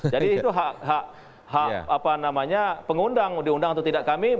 jadi itu hak pengundang diundang atau tidak kami